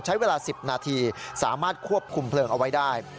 ใช้เวลา๑๐นาทีสามารถควบคุมเพลิงเอาไว้ได้